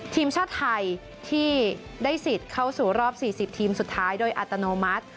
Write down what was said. ทีมชาติไทยที่ได้สิทธิ์เข้าสู่รอบ๔๐ทีมสุดท้ายโดยอัตโนมัติ